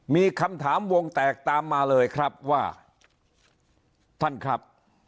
มีคำถามวงแตกตามมาเลยครับว่าท่านครับ